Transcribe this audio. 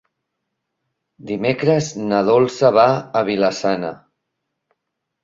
Dimecres na Dolça va a Vila-sana.